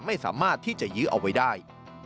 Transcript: ไม่สามารถที่จะยื้อเอาไว้ได้